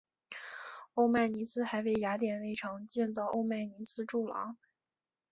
欧迈尼斯还为雅典卫城建造欧迈尼斯柱廊。